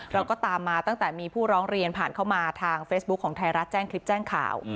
เราก็ตามมาตั้งแต่มีผู้ร้องเรียนผ่านเข้ามาทางเฟซบุ๊คของไทยรัฐแจ้งคลิปแจ้งข่าว